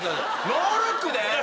ノールックでいく？